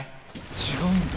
違うんだ。